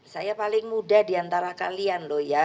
saya paling muda diantara kalian loh ya